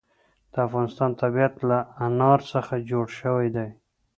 د افغانستان طبیعت له انار څخه جوړ شوی دی.